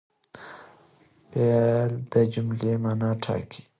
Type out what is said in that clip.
فعل د جملې مانا ټاکي.